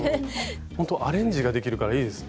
アレンジができるからいいですね。